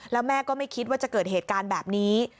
แล้วแม่ก็ไม่คิดว่าจะเกิดเหตุการณ์แบบนี้